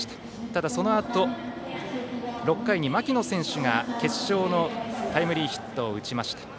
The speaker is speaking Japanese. ただ、そのあと６回に牧野選手が決勝のタイムリーヒットを打ちました。